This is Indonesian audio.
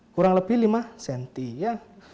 kurang lebih lima cm ya